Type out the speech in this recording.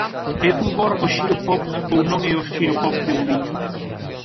É Fulgor o xiro pop ou non é o xiro pop de Budiño?